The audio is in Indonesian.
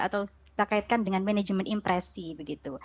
atau kita kaitkan dengan manajemen impresi begitu